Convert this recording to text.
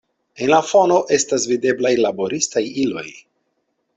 En la fono estas videblaj laboristaj iloj.